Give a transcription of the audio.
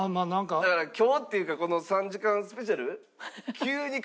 だから今日っていうかこの３時間スペシャル急に髪切ってます。